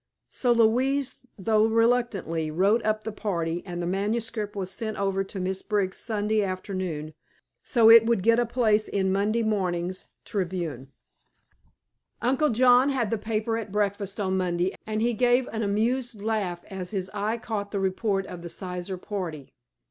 So Louise, though reluctantly, wrote up the party and the manuscript was sent over to Miss Briggs Sunday afternoon, so it would get a place in Monday morning's Tribune. Uncle John had the paper at breakfast on Monday, and he gave an amused laugh as his eye caught the report of the Sizer party.